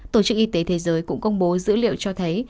tổ chức y tế thế giới cũng công bố dữ liệu cho thấy